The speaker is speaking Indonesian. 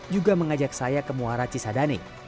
juga mengajak saya ke muara cisadane